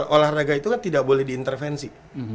olahraga itu kan tidak boleh diintervensi